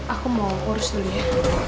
aku mau kurus dulu ya